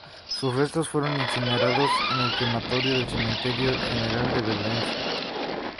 Sus restos fueron incinerados en el Crematorio del Cementerio General de Valencia.